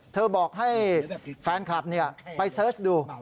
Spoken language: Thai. บอกให้แฟนคลับไปเสิร์ชดู